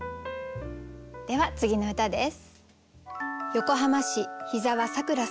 では次の歌です。